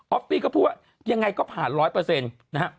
ออฟฟี่ก็พูดว่ายังไงก็ผ่านร้อยเปอร์เซ็นต์นะฮะ